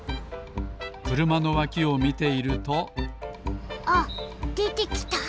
くるまのわきをみているとあっでてきた！